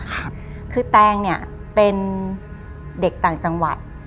คือแตงเนี่ยเป็นเด็กต่างจังหวัด